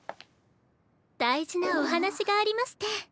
大事なお話がありまして。